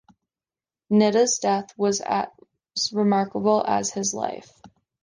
Nitta's death was as remarkable as his life.